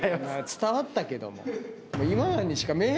伝わったけども。